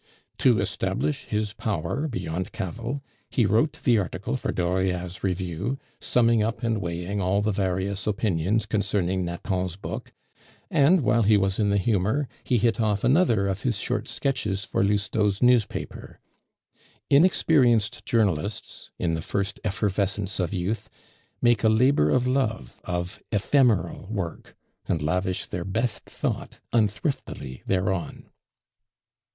To establish his power beyond cavil, he wrote the article for Dauriat's review, summing up and weighing all the various opinions concerning Nathan's book; and while he was in the humor, he hit off another of his short sketches for Lousteau's newspaper. Inexperienced journalists, in the first effervescence of youth, make a labor of love of ephemeral work, and lavish their best thought unthriftily thereon.